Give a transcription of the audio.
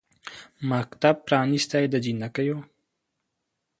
مکتب پرانیستی د جینکیو